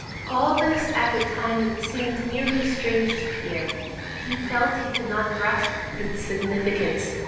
All this at the time seemed merely strange to Pierre: he felt he could not grasp its significance.